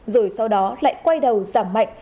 rồi sau đó lại quay đầu giảm mạnh